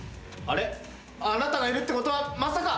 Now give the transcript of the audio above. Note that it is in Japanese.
あなたがいるってことはまさか。